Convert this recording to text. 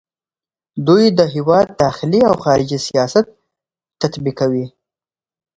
دوی د هیواد داخلي او خارجي سیاست تطبیقوي.